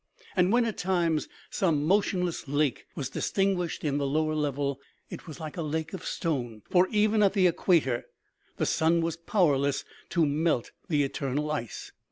And when, at times, some motionless lake was distinguished in the lower level, it was like a lake of stone ; for even at the equator the sun was powerless to melt the eternal ice.